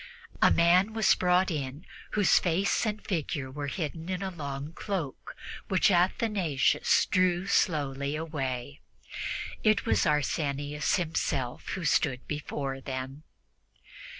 A man was brought in whose face and figure were hidden in a long cloak, which Athanasius drew slowly away. It was Arsenius himself who stood before them!